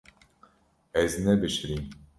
Ez nebişirîm.